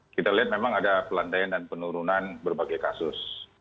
kita lihat memang ada pelandaian dan penurunan berbagai kasus